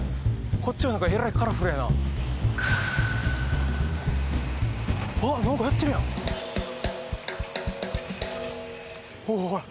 こっちはなんかえらいカラフルやなあっなんかやってるやんほらほら